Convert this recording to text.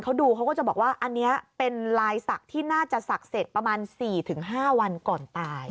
เขาดูเขาก็จะบอกว่าอันนี้เป็นลายศักดิ์ที่น่าจะศักดิ์เสร็จประมาณ๔๕วันก่อนตาย